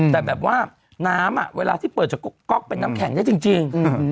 แต่แบบว่าน้ำเวลาที่เปิดจากก๊อกเป็นน้ำแข็งได้จริง